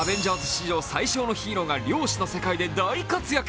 史上最小のヒーローが量子の世界で大活躍。